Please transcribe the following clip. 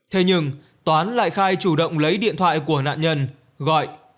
thế nhưng toán lại khai chủ động lấy điện thoại của nạn nhân gọi